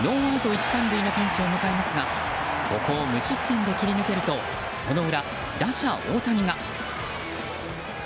１、３塁のピンチを迎えますがここを無失点で切り抜けるとその裏、打者・大谷が。